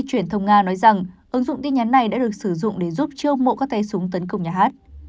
truyền thông nga nói rằng ứng dụng tin nhắn này đã được sử dụng để giúp chiêu mộ các tay súng tấn công nhà hát